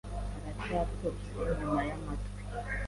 aracyatose inyuma yamatwi.